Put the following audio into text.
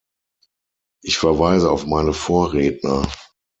Ich verweise auf meine Vorredner.